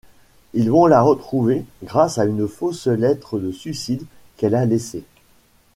Ils vont la retrouver grâce à une fausse lettre de suicide qu'elle a laissée.